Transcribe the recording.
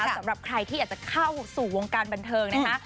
สำหรับใครที่อยากจะเข้าสู่วงการบันเทิงนะคะ